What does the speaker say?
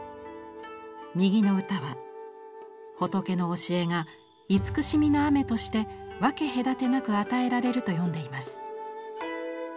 右の歌は「仏の教えが慈しみの雨として分け隔てなく与えられる」と詠んでいます。